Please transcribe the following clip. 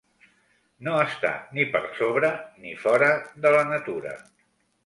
No està ni per sobre ni fora de la natura.